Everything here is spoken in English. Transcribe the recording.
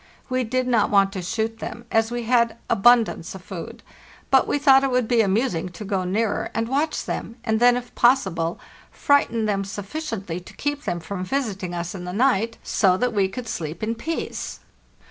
We did not want to shoot them, as we 480 HAKRTHEST NORTH had abundance of food; but we thought it would be amusing to go nearer and watch them, and then, if possible, frighten them sufficiently to keep them from visiting us in the night, so that we could sleep in peace.